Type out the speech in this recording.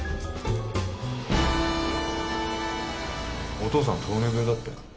お父さん「糖尿病」だって？